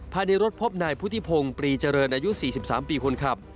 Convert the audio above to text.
ภายในรถพบนายพุทธิพงศ์ปรีเจริญอายุ๔๓ปีคนขับ